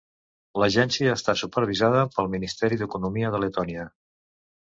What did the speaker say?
L'agència està supervisada pel Ministeri d'Economia de Letònia.